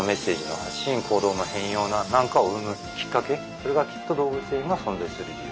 それがきっと動物園が存在する理由。